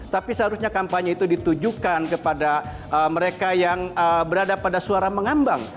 tapi seharusnya kampanye itu ditujukan kepada mereka yang berada pada suara mengambang